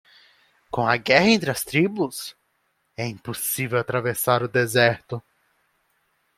Com as guerras entre as tribos? é impossível atravessar o deserto.